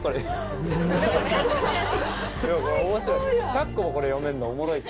１００個もこれ読めるのはおもろい。